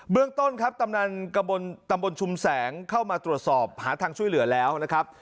เรื่องต้นครับกำนันกระบวนตำบลชุมแสงเข้ามาตรวจสอบหาทางช่วยเหลือแล้วนะครับ